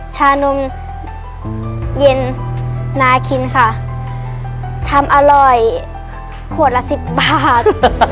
ชาวนมเย็นน่าคินค่ะชาวนมอร่อยขวดละ๑๐บาท